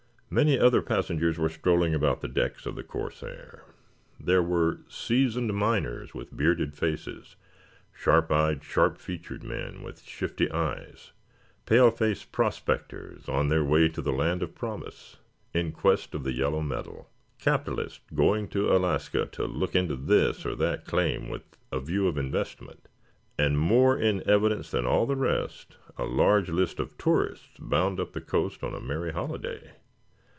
Many other passengers were strolling about the decks of the "Corsair." There were seasoned miners with bearded faces; sharp eyed, sharp featured men with shifty eyes; pale faced prospectors on their way to the land of promise, in quest of the yellow metal; capitalists going to Alaska to look into this or that claim with a view to investment; and, more in evidence than all the rest, a large list of tourists bound up the coast on a merry holiday.